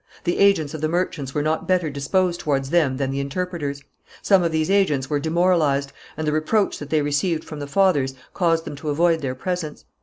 The agents of the merchants were not better disposed towards them than the interpreters. Some of these agents were demoralized, and the reproach that they received from the fathers caused them to avoid their presence.